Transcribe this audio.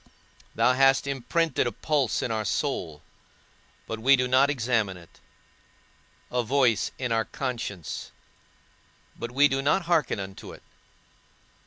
Thou hast imprinted a pulse in our soul, but we do not examine it; a voice in our conscience, but we do not hearken unto it.